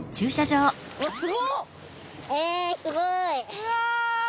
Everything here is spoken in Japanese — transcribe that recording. うわ！